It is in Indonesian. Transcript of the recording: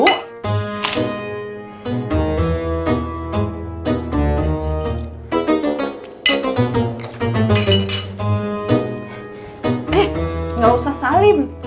eh nggak usah salim